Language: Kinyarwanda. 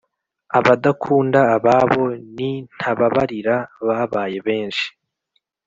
abadakunda ababo n’intababarira babaye benshi